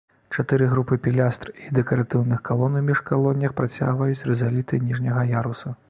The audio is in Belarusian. Чатыры групы пілястр і дэкаратыўных калон у міжаконнях працягваюць рызаліты ніжняга яруса.